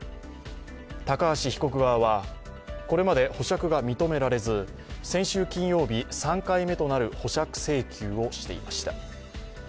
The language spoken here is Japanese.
高橋被告側はこれまで保釈が認められず先週金曜日３回目となる保釈請求をしていました。